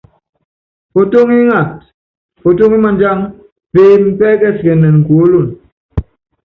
Potóŋi ingata, potóŋi madjang, peeme pɛ́kɛsikɛnɛn kuólono.